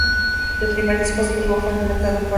El primer dispositivo fue implantado por el Prof.